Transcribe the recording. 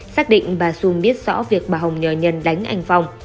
xác định bà dung biết rõ việc bà hồng nhờ nhân đánh anh phong